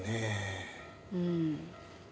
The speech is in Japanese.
うん。